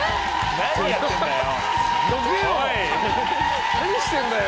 何やってるんだよ！